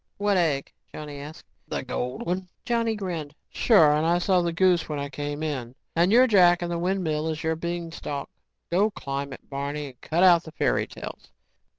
"What egg?" Johnny asked. "The gold one." Johnny grinned. "Sure, and I saw the goose when I came in. And you're Jack and the windmill is your beanstalk. Go climb it, Barney and cut out the fairy tales."